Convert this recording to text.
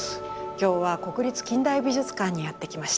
今日は国立近代美術館にやって来ました。